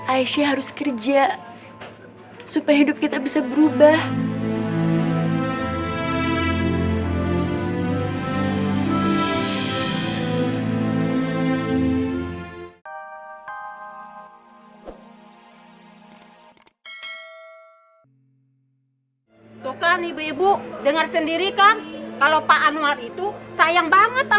aisyah gak bisa hidup terus kayak gini